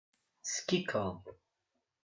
Skikeḍ.